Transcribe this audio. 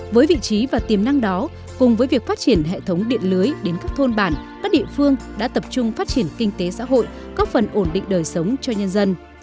với vị trí và tiềm năng đó cùng với việc phát triển hệ thống điện lưới đến các thôn bản các địa phương đã tập trung phát triển kinh tế xã hội góp phần ổn định đời sống cho nhân dân